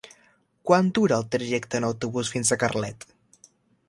Quant dura el trajecte en autobús fins a Carlet?